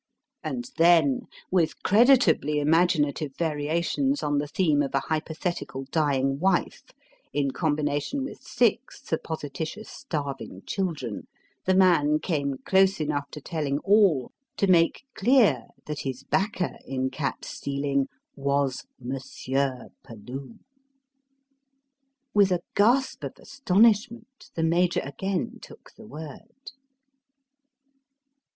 And then with creditably imaginative variations on the theme of a hypothetical dying wife in combination with six supposititious starving children the man came close enough to telling all to make clear that his backer in cat stealing was Monsieur Peloux! With a gasp of astonishment, the Major again took the word.